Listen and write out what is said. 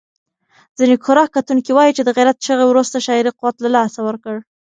ځینې کره کتونکي وايي چې د غیرت چغې وروسته شاعري قوت له لاسه ورکړ.